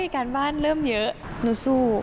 การบ้านเริ่มเยอะหนูสู้